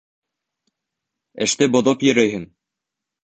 Эште боҙоп йөрөйһөң.